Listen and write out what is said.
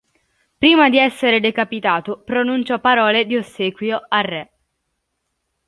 Prima di essere decapitato pronunciò parole di ossequio al re.